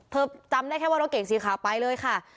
จำได้แค่ว่ารถเก่งสีขาวไปเลยค่ะ